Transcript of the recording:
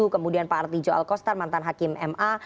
kemudian pak arti jo alkostar mantan hakim ma